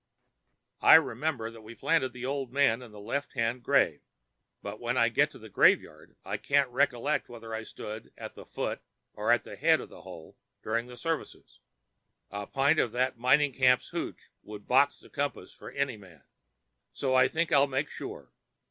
"I remembered that we planted the old man in the left hand grave, but when I get to the graveyard I can't recollect whether I stood at the foot or at the head of the hole during the services—a pint of that mining camp hootch would box the compass for any man—so I think I'll make sure.